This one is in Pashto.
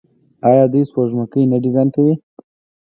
آیا دوی سپوږمکۍ نه ډیزاین کوي؟